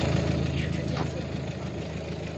一时之间说不出话